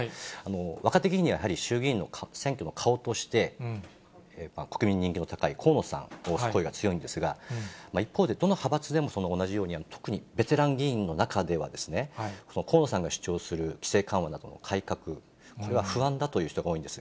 若手議員にはやはり衆議院の選挙の顔として、国民に人気の高い河野さんを推す声が強いんですが、一方でどの派閥でも同じように、特にベテラン議員の中では、河野さんが主張する規制緩和などの改革、これは不安だという人が多いんです。